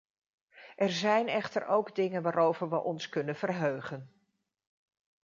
Er zijn echter ook dingen waarover we ons kunnen verheugen.